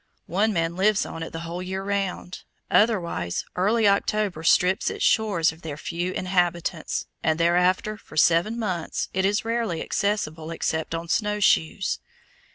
One man lives on it the whole year round; otherwise early October strips its shores of their few inhabitants, and thereafter, for seven months, it is rarely accessible except on snowshoes.